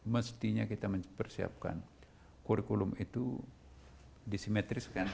mestinya kita mempersiapkan kurikulum itu disimetriskan